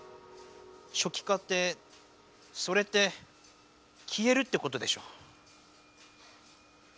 しょきかってそれってきえるってことでしょ？